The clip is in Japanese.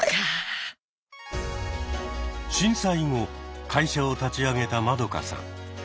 震災後会社を立ち上げたマドカさん。